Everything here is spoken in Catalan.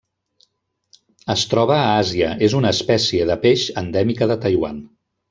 Es troba a Àsia: és una espècie de peix endèmica de Taiwan.